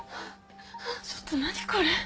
ちょっと何これ？